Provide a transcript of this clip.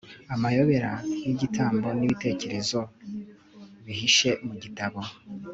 amayobera y'igitabo n'ibitekerezo bihishe mu gitabo